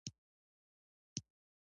افغانستان زما کعبه ده